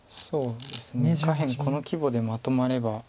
そうですね下辺この規模でまとまれば。